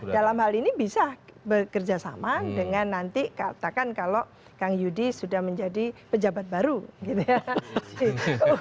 dalam hal ini bisa bekerja sama dengan nanti katakan kalau kang yudi sudah menjadi pejabat baru gitu ya